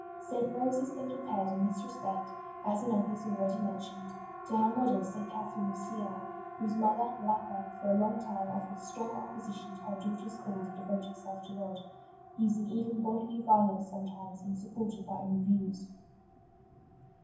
St. Rose has been com pared in this respect, as in others already men tioned, to her model St. Catherine of Siena, whose mother, Lapa, for a long time offered strong opposition to her daughter s call to devote herself to God, using even bodily violence sometimes in support of her own views.